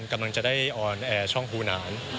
กำลังจะได้ออนแอร์ช่องภูนาน